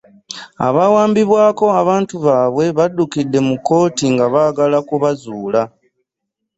Abaawambibwako abantu baabwe baddukidde mu kkooti nga baagala kubazuula